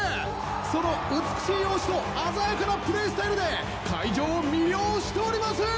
その美しい容姿と鮮やかなプレイスタイ会場を魅了しております！